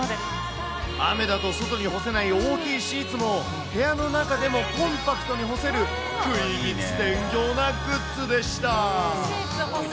雨だと外に干せない大きいシーツも、部屋の中でもコンパクトに干せる、クリビツテンギョーなグッズでし